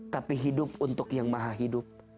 tapi hidup untuk yang maha hidup